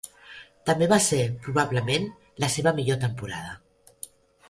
També va ser, probablement, la seva millor temporada.